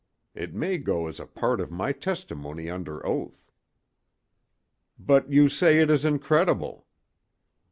It may go as a part of my testimony under oath." "But you say it is incredible."